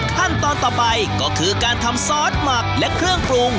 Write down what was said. ขั้นตอนต่อไปก็คือการทำซอสหมักและเครื่องปรุง